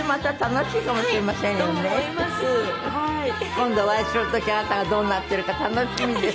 今度お会いする時あなたがどうなってるか楽しみです。